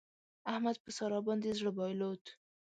احمد په سارا باندې زړه بايلود.